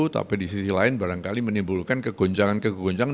tapi di sisi lain barangkali menimbulkan kegoncangan kegoncangan